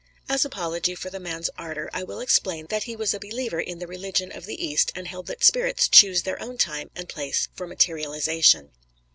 As apology for the man's ardor I will explain that he was a believer in the Religion of the East and held that spirits choose their own time and place for materialization.